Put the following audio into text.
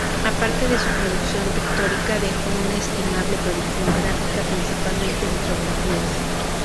Aparte de su producción pictórica, dejó una estimable producción gráfica, principalmente litografías.